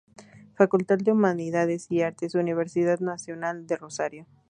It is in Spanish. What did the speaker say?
Facultad de Humanidades y Artes, Universidad Nacional de Rosario.